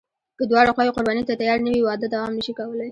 که دواړه خواوې قرباني ته تیارې نه وي، واده دوام نشي کولی.